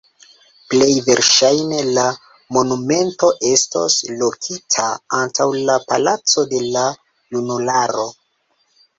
Plej verŝajne la monumento estos lokita antaŭ la Palaco de la Junularo.